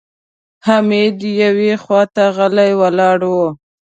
حميد يوې خواته غلی ولاړ و.